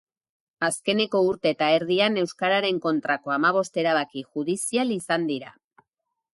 Azkeneko urte eta erdian euskararen kontrako hamabost erabaki judizial izan dira.